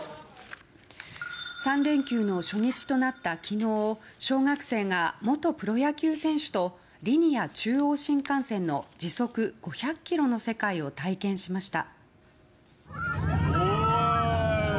３連休の初日となった昨日小学生が元プロ野球選手とリニア中央新幹線の時速５００キロの世界を体験しました。